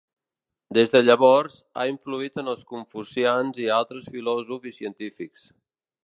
Des de llavors, ha influït en els confucians i en altres filòsofs i científics.